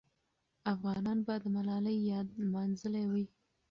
افغانان به د ملالۍ یاد لمانځلې وي.